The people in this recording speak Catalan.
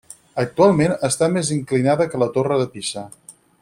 Actualment està més inclinada que la Torre de Pisa.